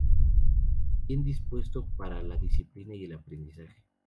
Bien dispuesto para la disciplina y el aprendizaje.